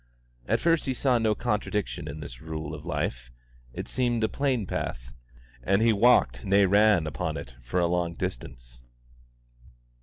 At first he saw no contradiction in this rule of life; it seemed a plain path, and he walked, nay ran, upon it for a long distance.